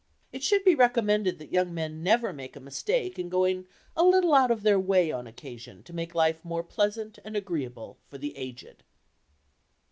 It should be recommended that young men never make a mistake in going a little out of their way on occasion to make life more pleasant and agreeable for the aged.